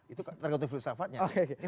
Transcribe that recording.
itu tergantung filsafatnya